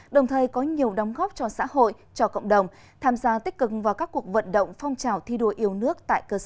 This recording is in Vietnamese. đồng thời có nhiều đóng góp cho xã hội cho cộng đồng tham gia tích cực vào các cuộc vận động phong trào thi đua yêu nước tại cơ sở